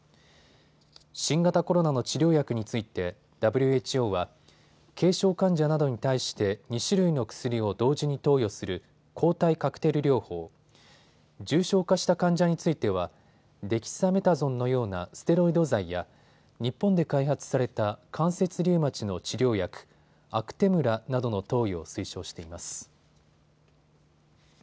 新型コロナの治療薬についてＷＨＯは軽症患者などに対して２種類の薬を同時に投与する抗体カクテル療法、重症化した患者についてはデキサメタゾンのようなステロイド剤や日本で開発された関節リウマチの治療薬、アクテムラなどの投与を推奨しています。